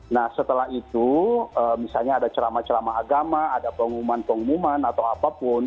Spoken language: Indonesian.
nah setelah itu misalnya ada ceramah ceramah agama ada pengumuman pengumuman atau apapun